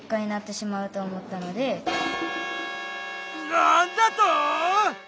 なんだと！